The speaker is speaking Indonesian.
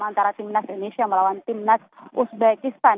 antara tim nas indonesia melawan tim nas uzbekistan